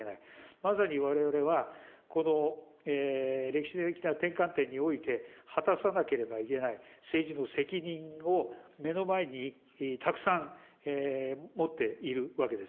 まさにわれわれは歴史的な転換点において果たさなければいけない政治の責任を、目の前にたくさん持っているわけです。